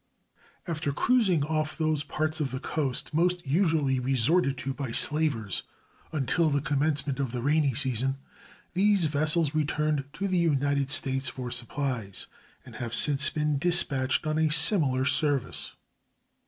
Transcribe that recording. After cruising off those parts of the coast most usually resorted to by slavers until the commencement of the rainy season, these vessels returned to the United States for supplies, and have since been dispatched on a similar service.